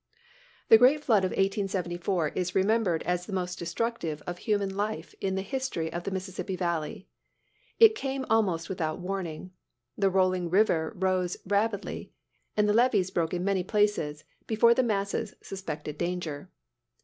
The great flood of 1874 is remembered as the most destructive of human life in the history of the Mississippi valley. It came almost without warning. The rolling river rose rapidly, and the levees broke in many places before the masses suspected danger.